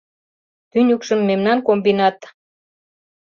Тӱньыкшым мемнан комбинат;